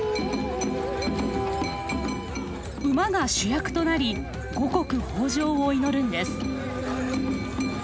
馬が主役となり五穀豊穣を祈るんです。